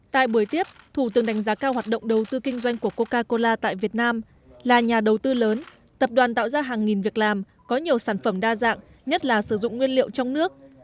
tại buổi tiếp thủ tướng đánh giá cao hoạt động đầu tư kinh doanh của coca cola tại việt nam là nhà đầu tư lớn tập đoàn tạo ra hàng nghìn việc làm có nhiều sản phẩm đa dạng nhất là sử dụng nguyên liệu trong nước